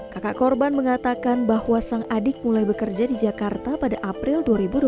kakak korban mengatakan bahwa sang adik mulai bekerja di jakarta pada april dua ribu dua puluh